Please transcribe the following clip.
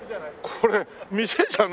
これ。